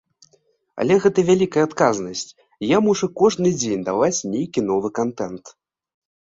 Але гэта вялікая адказнасць, я мушу кожны дзень даваць нейкі новы кантэнт.